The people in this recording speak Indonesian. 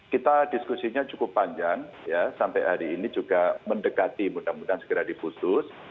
kita diskusinya cukup panjang ya sampai hari ini juga mendekati mudah mudahan segera diputus